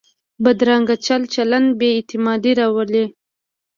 بدرنګه چل چلند بې اعتمادي راولي